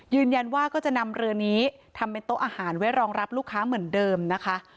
ยืนยันว่าก็จะนำเรือนี้ทำเป็นโต๊ะอาหารไว้รองรับลูกค้าเหมือนเดิมนะคะ